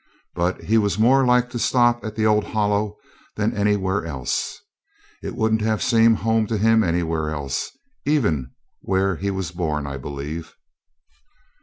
But he was more like to stop at the old Hollow than anywhere else. It wouldn't have seemed home to him anywhere else, even where he was born, I believe.